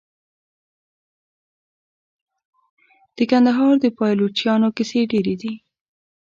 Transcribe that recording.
د کندهار د پایلوچانو کیسې ډیرې دي.